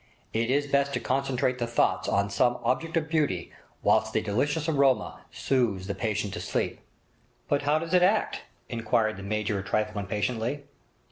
It is best to concentrate the thoughts on some object of beauty whilst the delicious aroma sooths the patient to sleep.' 'But how does it act?' inquired the Major a trifle impatiently.